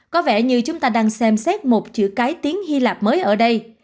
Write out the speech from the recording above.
có vẻ như chúng ta đang xem xét một chữ cái tiếng hy lạp mới ở đây